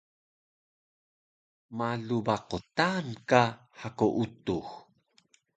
malu ba qtaan ka hako utux